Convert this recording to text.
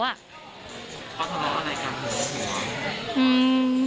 เขาโทรมาอะไรครับ